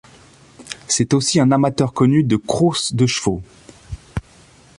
C'est aussi un amateur connu de crouses de chevaux.